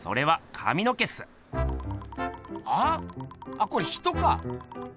あこれ人か。